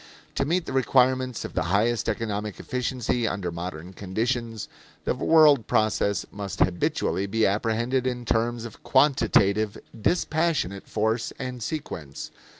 To meet the requirements of the highest economic efficiency under modern conditions, the world process must habitually be apprehended in terms of quantitative, dispassionate force and sequence.